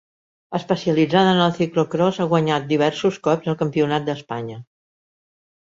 Especialitzada en el ciclocròs, ha guanyat diversos cops el Campionat d'Espanya.